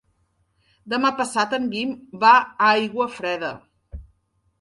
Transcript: Demà passat en Guim va a Aiguafreda.